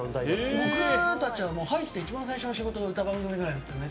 僕たちは、入って一番最初の仕事は歌番組ぐらいだったね。